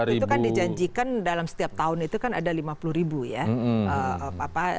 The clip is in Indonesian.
itu kan dijanjikan dalam setiap tahun itu kan ada lima puluh ribu ya